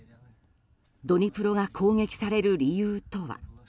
ドニプロが攻撃される理由とは？